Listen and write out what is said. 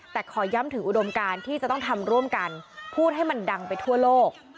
แต่ขอย้ำถึงอุดมการที่จะต้องทำร่วมกันพูดให้มันดังไปทั่วโลก